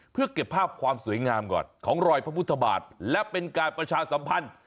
เพื่อเก็บภาพความสวยงามก่อนของรอยพระพุทธบาทและเป็นการประชาสัมพันธ์